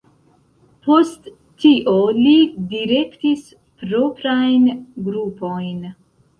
Post tio li direktis proprajn grupojn.